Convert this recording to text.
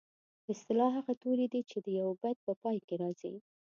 په اصطلاح هغه توري دي چې د یوه بیت په پای کې راځي.